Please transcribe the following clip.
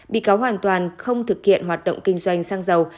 bị cáo hoàn toàn không thực hiện hoạt động kinh doanh sang giàu